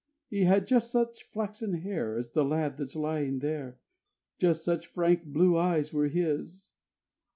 He had just such flaxen hair As the lad that's lying there. Just such frank blue eyes were his.